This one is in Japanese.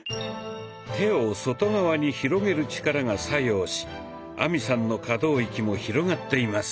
手を外側に広げる力が作用し亜美さんの可動域も広がっています。